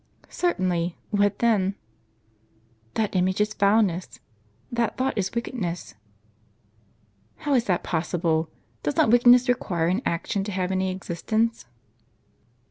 " Certainly. What then ?"" That image is foulness, that thought is wickedness." " How is that possible ? Does not wickedness require an action, to have any existence?"